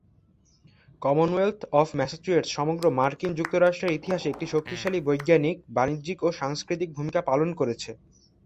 Commonwealth of Massachusetts সমগ্র মার্কিন যুক্তরাষ্ট্রের ইতিহাসে একটি শক্তিশালী বৈজ্ঞানিক, বাণিজ্যিক ও সাংস্কৃতিক ভূমিকা পালন করেছে।